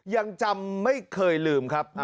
ยังจำไม่เคยลืมครับ